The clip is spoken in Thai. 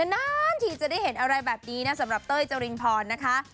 นานทีจะได้เห็นอะไรแบบนี้นะสำหรับเต้ยจรินพรนะคะ